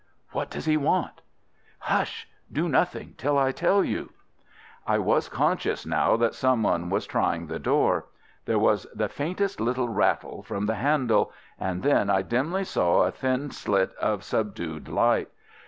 "What does he want?" "Hush! Do nothing until I tell you." I was conscious now that someone was trying the door. There was the faintest little rattle from the handle, and then I dimly saw a thin slit of subdued light.